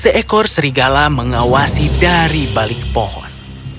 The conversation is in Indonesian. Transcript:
seekor serigala mengawasi dari balik pohon